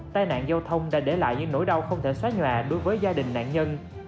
tai nạn giao thông đã để lại những nỗi đau không thể xóa nhà đối với gia đình nạn nhân